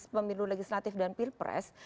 pemilu legislatif dan pilpres